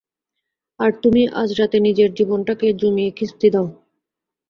আর তুমি আজ রাতে নিজের জীবনটাকে জমিয়ে খিস্তি দাও।